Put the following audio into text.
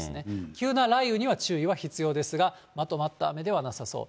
急な雷雨には注意は必要ですが、まとまった雨ではなさそう。